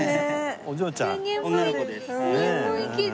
お嬢ちゃん？